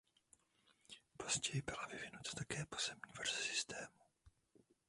Později byla vyvinuta také pozemní verze systému.